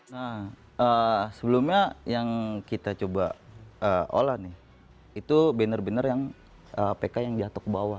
nah sebelumnya yang kita coba olah nih itu banner banner yang pk yang jatuh ke bawah